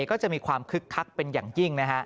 ก็จะมีความคึกคักเป็นอย่างยิ่ง